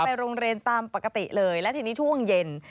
ไปโรงเรียนตามปกติเลยและทีนี้ช่วงเย็น